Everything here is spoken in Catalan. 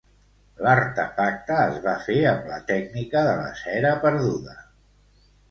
L'artefacte es va fer amb la tècnica de la cera perduda.